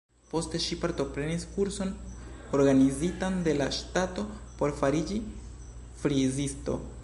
Poste ŝi partoprenis kurson organizitan de la ŝtato por fariĝi frizisto.